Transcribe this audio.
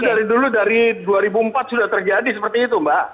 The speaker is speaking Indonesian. dari dulu dari dua ribu empat sudah terjadi seperti itu mbak